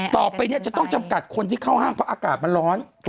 ต่อไปเนี่ยจะต้องจำกัดคนที่เข้าห้างเพราะอากาศมันร้อน